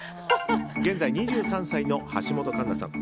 現在、２３歳の橋本環奈さん。